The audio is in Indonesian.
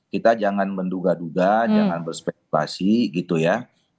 kita jangan menduga duga jangan berspekulasi gitu ya